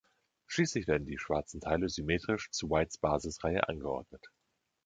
Schließlich werden die schwarzen Teile symmetrisch zu Whites Basisreihe angeordnet.